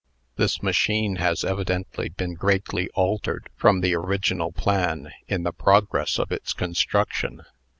This machine has evidently been greatly altered from the original plan in the progress of its construction.